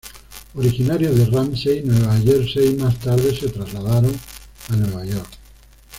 Originarios de Ramsey, Nueva Jersey, más tarde se trasladaron a Nueva York.